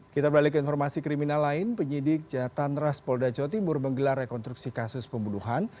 kita balik ke informasi kriminal lain penyidik jatantras polda jotimur menggelar rekonstruksi kasus pembunuhan